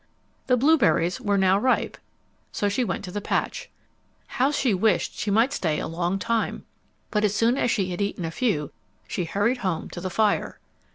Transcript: The blueberries were now ripe, so she went to the patch. How she wished she might stay a long time! But as soon as she had eaten a few, she hurried home to the fire.